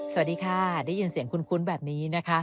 สวัสดีค่ะได้ยินเสียงคุ้นแบบนี้นะคะ